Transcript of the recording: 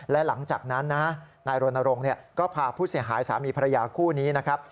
และหลังจากนั้นนะนายรณรงค์ก็พาผู้เสียหายสามีภรรยาคู่นี้นะครับ